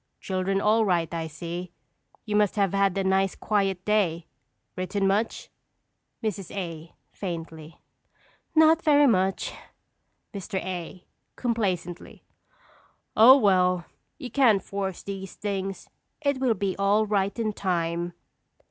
Children all right, I see. You must have had a nice, quiet day. Written much? Mrs. A. (faintly). Not very much. Mr. A. (complacently). Oh, well, you can't force these things. It will be all right in time.